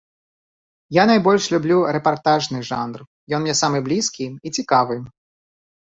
Я найбольш люблю рэпартажны жанр, ён мне самы блізкі і цікавы.